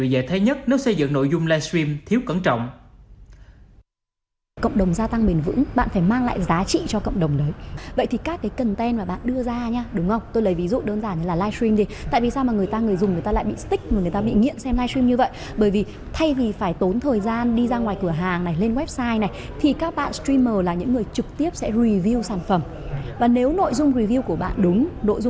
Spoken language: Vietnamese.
để thấy nhất nó xây dựng nội dung livestream thiếu cẩn trọng